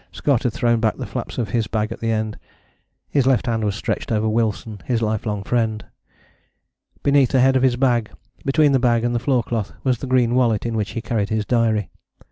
Scott had thrown back the flaps of his bag at the end. His left hand was stretched over Wilson, his lifelong friend. Beneath the head of his bag, between the bag and the floor cloth, was the green wallet in which he carried his diary.